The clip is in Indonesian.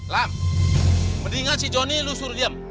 lam mendingan si johnny lo suruh diam